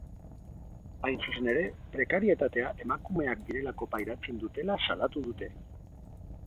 Hain zuzen ere, prekarietatea emakumeak direlako pairatzen dutela salatu dute.